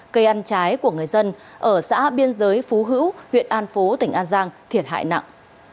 cây ăn trái của người dân ở xã biên giới phú hữu huyện an phú tỉnh an giang thiệt hại nặng